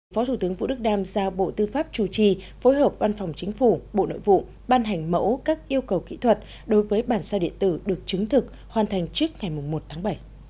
phó thủ tướng vũ đức đam giao bộ tư pháp chủ trì phối hợp văn phòng chính phủ bộ nội vụ ban hành mẫu các yêu cầu kỹ thuật đối với bản sao điện tử được chứng thực hoàn thành trước ngày một tháng bảy